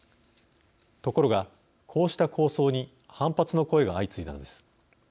ところが、こうした構想に反発の声が相次いだのです。